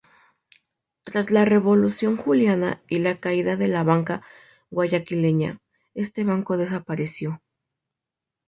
Tras la Revolución juliana y la caída de la banca guayaquileña, este banco desapareció.